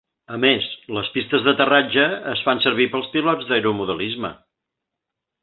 A més, les pistes d'aterratge es fan servir pels pilots d'aeromodelisme.